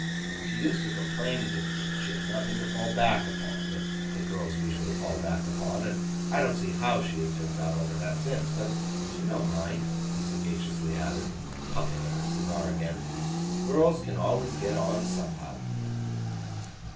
She used to complain to me that she had nothing to fall back upon, that girls usually fall back upon; and I don't see how she is to have got over that since. But she don't mind,' he sagaciously added, puffing at his cigar again. 'Girls can always get on, somehow.